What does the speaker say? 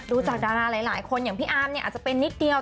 ดูจากดาราหลายคนอย่างพี่อาร์มเนี่ยอาจจะเป็นนิดเดียว